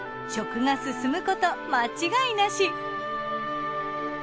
食が進むこと間違いなし！